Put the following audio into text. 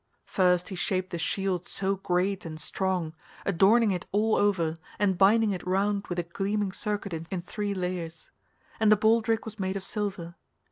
First he shaped the shield so great and strong, adorning it all over and binding it round with a gleaming circuit in three layers; and the baldric was made of silver.